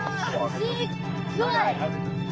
すっごい！